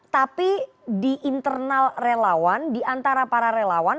tapi di internal relawan di antara para relawan